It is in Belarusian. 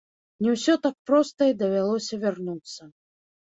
Не ўсё так проста і давялося вярнуцца.